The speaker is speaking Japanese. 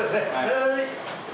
はい。